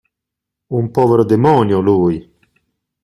Un povero demonio, lui!